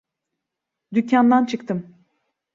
Dükkandan çıktım.